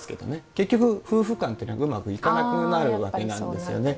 結局夫婦間っていうのはうまくいかなくなる訳なんですよね。